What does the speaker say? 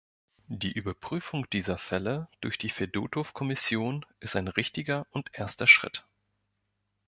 Die Überprüfung dieser Fälle durch die Fedotow-Kommission ist ein richtiger und erster Schritt.